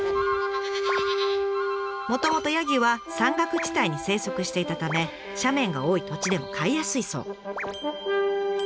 もともとヤギは山岳地帯に生息していたため斜面が多い土地でも飼いやすいそう。